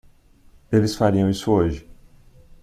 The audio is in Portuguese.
Eles fariam isso hoje.